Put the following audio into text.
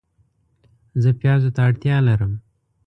زه پیازو ته اړتیا لرم